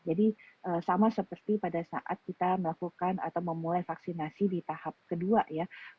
jadi sama seperti pada saat kita melakukan atau memulai vaksinasi di tahap kedua